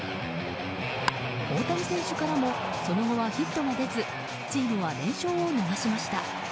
大谷選手からもその後はヒットが出ずチームは連勝を逃しました。